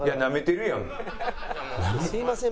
「すみません」